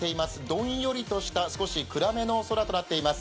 どんよりとした、少し暗めの空となっています。